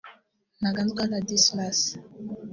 Ntaganzwa Ladislas